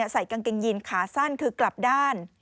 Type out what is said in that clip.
ใส่กางเกงยีนขาสั้นคือกลับด้าน